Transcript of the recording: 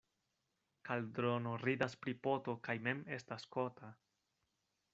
Kaldrono ridas pri poto kaj mem estas kota.